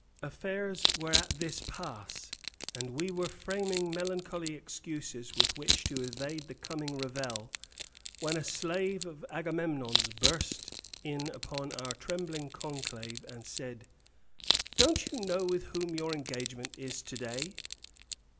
Affairs were at this pass, and we were framing melancholy excuses with which to evade the coming revel, when a slave of Agamemnon's burst in upon our trembling conclave and said, "Don't you know with whom your engagement is today?